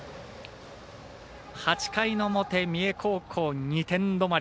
８回の表、三重高校２点止まり。